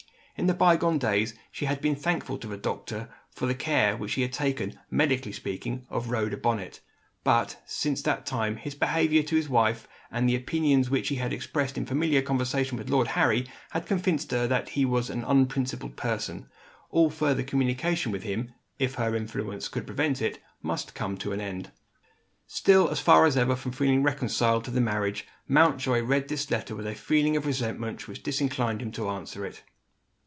In the bygone days, she had been thankful to the doctor for the care which he had taken, medically speaking, of Rhoda Bonnet. But, since that time, his behaviour to his wife, and the opinions which he had expressed in familiar conversation with Lord Harry, had convinced her that he was an unprincipled person. All further communication with him (if her influence could prevent it) must come to an end. Still as far as ever from feeling reconciled to the marriage, Mountjoy read this letter with a feeling of resentment which disinclined him to answer it.